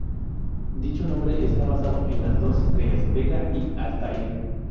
Dicho nombre está basado en las dos estrellas, "Vega" y "Altair".